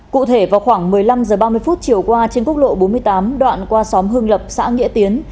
cụ thể vào khoảng một mươi năm h ba mươi chiều qua trên quốc lộ bốn mươi tám đoạn qua xóm hưng lập xã nghĩa tiến